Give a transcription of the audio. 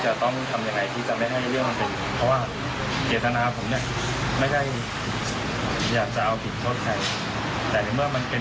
เราคุณต้องทำยังไงที่จะไม่ที่จะให้เรื่องใช่